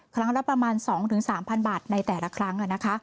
ครั้งละประมาณ๒๓๐๐บาทในแต่ละครั้ง